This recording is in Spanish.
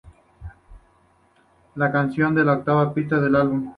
La canción es la octava pista del álbum.